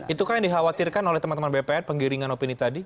itukah yang dikhawatirkan oleh teman teman bpn penggiringan opini tadi